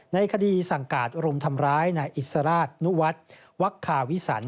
ในคดีสั่งการรุมทำร้ายนายอิสราชนุวัฒน์วักคาวิสัน